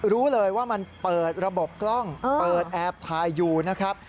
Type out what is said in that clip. รู้เลยว่ามันเปิดระบบกล้องเปิดแอบถ่ายอยู่นะครับ